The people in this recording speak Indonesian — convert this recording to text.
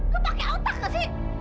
lu pakai otak nggak sih